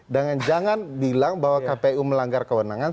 dan jangan bilang bahwa kpu melanggar kewenangan